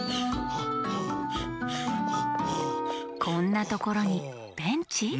こんなところにベンチ？